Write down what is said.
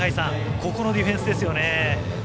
ここのディフェンスですよね。